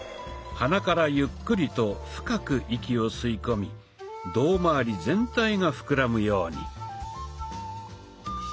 鼻からゆっくりと深く息を吸い込み胴まわり全体が膨らむように。